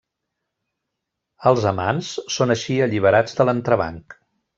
Els amants són així alliberats de l'entrebanc.